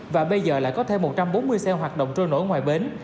và bây giờ lại có thêm một trăm bốn mươi xe hoạt động trôi nổi ngoài bến